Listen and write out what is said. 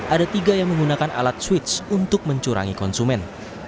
ada tiga yang menggunakan alat switch untuk mencurangi konsumen